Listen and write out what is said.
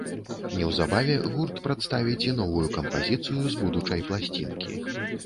Неўзабаве гурт прадставіць і новую кампазіцыю з будучай пласцінкі.